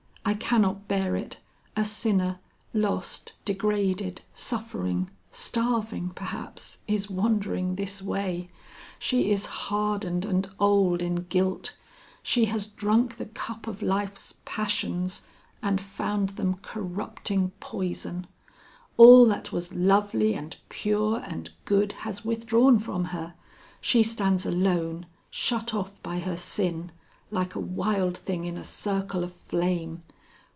I cannot bear it. A sinner, lost, degraded, suffering, starving, perhaps, is wandering this way. She is hardened and old in guilt; she has drunk the cup of life's passions and found them corrupting poison; all that was lovely and pure and good has withdrawn from her; she stands alone, shut off by her sin, like a wild thing in a circle of flame.